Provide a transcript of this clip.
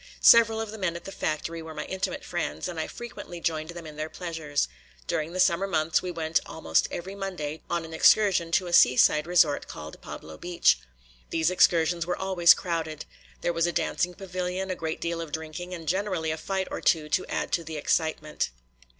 Several of the men at the factory were my intimate friends, and I frequently joined them in their pleasures. During the summer months we went almost every Monday on an excursion to a seaside resort called Pablo Beach. These excursions were always crowded. There was a dancing pavilion, a great deal of drinking, and generally a fight or two to add to the excitement.